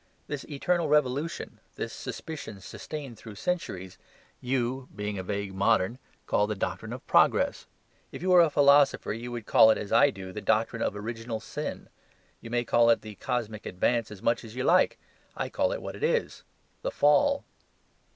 This eternal revolution, this suspicion sustained through centuries, you (being a vague modern) call the doctrine of progress. If you were a philosopher you would call it, as I do, the doctrine of original sin. You may call it the cosmic advance as much as you like; I call it what it is the Fall."